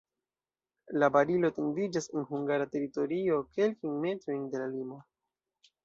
La barilo etendiĝas en hungara teritorio kelkajn metrojn de la limo.